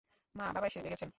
মা, বাবা এসে গেছেন!